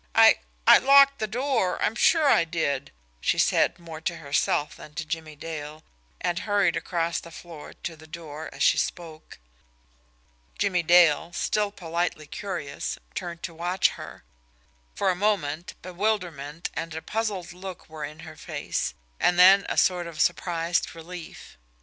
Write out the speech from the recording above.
"I I locked the door I'm sure I did," she said, more to herself than to Jimmie Dale, and hurried across the floor to the door as she spoke. Jimmie Dale, still politely curious, turned to watch her. For a moment bewilderment and a puzzled look were in her face and then a sort of surprised relief.